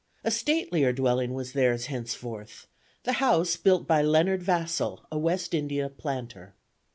A statelier dwelling was theirs henceforth, the house built by Leonard Vassall, a West India planter.